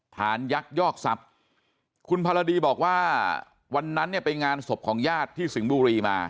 ยักยอกทรัพย์คุณภารดีบอกว่าวันนั้นเนี่ยไปงานศพของญาติที่สิงห์บุรีมา